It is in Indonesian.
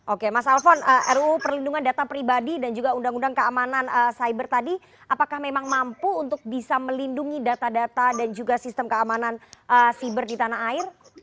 oke mas alphon ruu perlindungan data pribadi dan juga undang undang keamanan cyber tadi apakah memang mampu untuk bisa melindungi data data dan juga sistem keamanan siber di tanah air